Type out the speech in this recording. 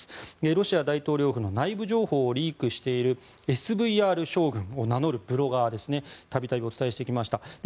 ロシア大統領府の内部情報をリークしているＳＶＲ将軍を名乗るブロガーですね度々お伝えしてきました。